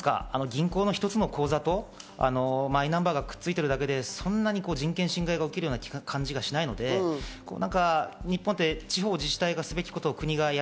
銀行の一つの口座とマイナンバーがくっついてるだけでそんなに人権侵害が起きる感じはしないので日本って地方自治体がすべきことを国が。